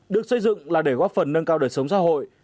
được xây dựng là để góp phần nâng cao đời sống xã hội